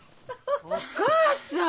お母さん！